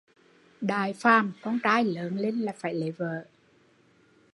Đại phàm con trai lớn lên là phải lấy vợ